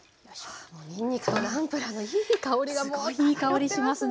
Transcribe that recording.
あにんにくとナンプラーのいい香りがもう漂ってますね。